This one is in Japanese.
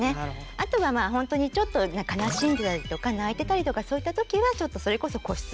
あとは本当にちょっと悲しんでたりとか泣いてたりとかそういった時はちょっとそれこそ個室とかね